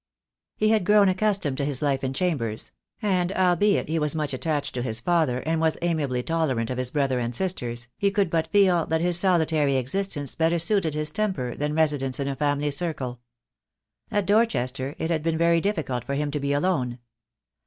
He had grown accustomed to his life in chambers; and albeit he was much attached to his father, and was amiably tolerant of his brother and sisters, he could but feel that this solitary existence better suited his temper than residence in a family circle. At Dorchester it had been very difficult for him to be alone.